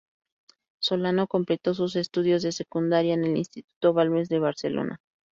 Solano completó sus estudios de secundaria en el Instituto Balmes de Barcelona.